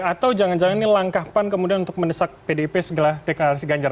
atau jangan jangan ini langkah pan kemudian untuk mendesak pdip segala deklarasi ganjar